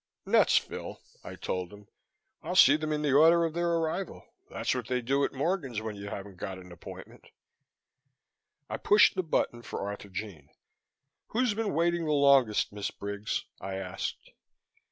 "Nuts, Phil," I told him. "I'll see them in the order of their arrival. That's what they do at Morgan's when you haven't got an appointment." I pushed the button for Arthurjean. "Who's been waiting the longest, Miss Briggs," I asked.